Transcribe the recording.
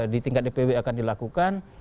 di tingkat dpw akan dilakukan